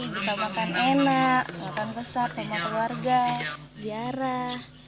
bisa makan enak makan besar sama keluarga ziarah